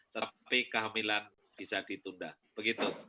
tapi kehamilan bisa ditunda begitu